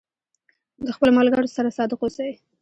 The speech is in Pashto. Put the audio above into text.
د خپلو ملګرو سره صادق اوسئ.